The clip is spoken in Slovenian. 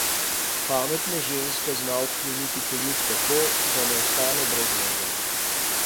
Pametna ženska zna odkloniti poljub tako, da ne ostane brez njega.